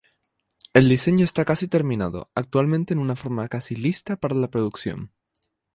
El diseño está casi terminado, actualmente en una forma casi lista para la producción.